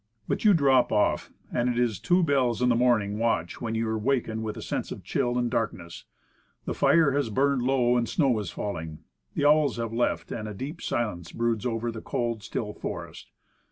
But you drop off; and it is two bells in the morn ing watch when you waken with a sense of chill and darkness. The fire has burned low, and snow is falling. The owls have left, and a deep silence broods over the cold, still forest.